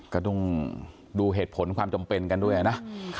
ก็ต้องดูเหตุผลความจำเป็นกันด้วยนะ